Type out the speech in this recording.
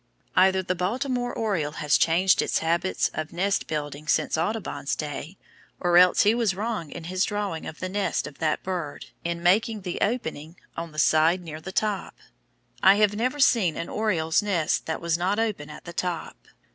Either the Baltimore oriole has changed its habits of nest building since Audubon's day, or else he was wrong in his drawing of the nest of that bird, in making the opening on the side near the top. I have never seen an oriole's nest that was not open at the top.